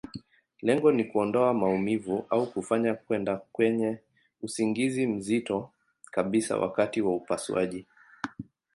Lengo ni kuondoa maumivu, au kufanya kwenda kwenye usingizi mzito kabisa wakati wa upasuaji.